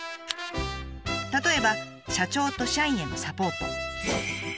例えば社長と社員へのサポート。